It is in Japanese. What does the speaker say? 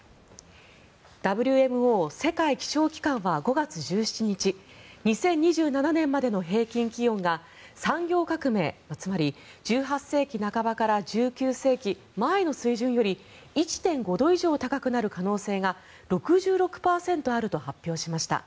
ＷＭＯ・世界気象機関は５月１７日２０２７年までの平均気温が産業革命つまり１８世紀半ばから１９世紀前の水準より１．５度以上高くなる可能性が６６％あると発表しました。